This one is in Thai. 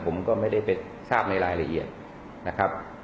ผมก็ไม่ได้ไปทราบในรายละเอียดนะครับ